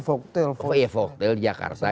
voktail iya voktail di jakarta